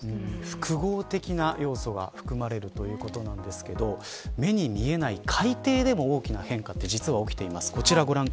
複合的な要素が含まれるということなんですが目に見えない海底でも大きな変化が実は起きています。